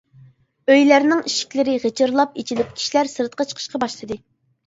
ئۆيلەرنىڭ ئىشىكلىرى غىچىرلاپ ئېچىلىپ، كىشىلەر سىرتقا چىقىشقا باشلىدى.